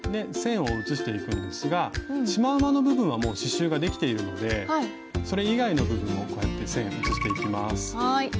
線を写していくんですがシマウマの部分はもう刺しゅうができているのでそれ以外の部分をこうやって線を写していきます。